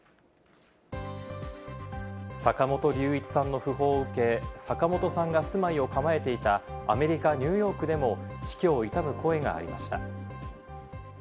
坂本龍一さんの訃報を受け、坂本さんが住まいを構えていたアメリカ・ニューヨークでも死去を悼む声がありました。